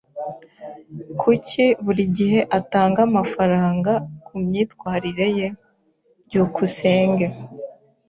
Kuki buri gihe atanga amafaranga kumyitwarire ye? byukusenge